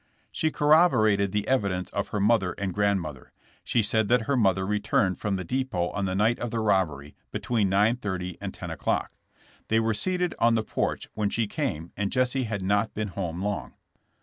She corroborated the evidence of her mother and grandmother. She said that her mother returned from the depot on the night of the robbery between 9 :30 and 10 o 'clock. They were seated on the porch when she came and Jesse had not been home long.